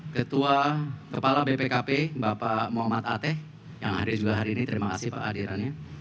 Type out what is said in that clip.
ketua kepala bpkp bapak muhammad ate yang hadir juga hari ini terima kasih pak hadirannya